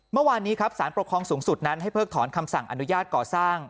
เมื่อวานนี้ครับสารปกครองสูงสุดนั้นให้เพิกถอนคำสั่งอนุญาตก่อสร้าง